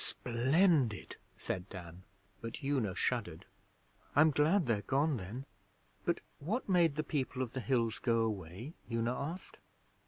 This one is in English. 'Splendid,' said Dan, but Una shuddered. 'I'm glad they're gone, then; but what made the People of the Hills go away?' Una asked.